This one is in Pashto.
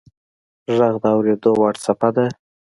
• ږغ د اورېدو وړ څپه ده.